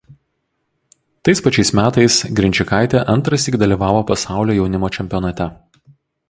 Tais pačiais metais Grinčikaitė antrąsyk dalyvavo pasaulio jaunimo čempionate.